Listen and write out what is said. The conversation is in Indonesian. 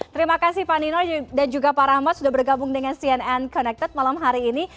terima kasih pak nino dan juga pak rahmat sudah bergabung dengan cnn connected malam hari ini